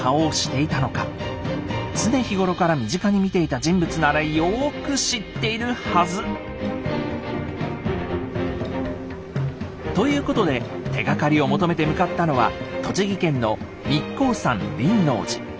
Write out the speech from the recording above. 常日頃から身近に見ていた人物ならよく知っているはず！ということで手がかりを求めて向かったのはおお！